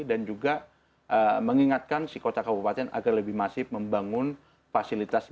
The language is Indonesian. dan juga mengingatkan si kota kabupaten agar lebih masif membangun fasilitas trotoar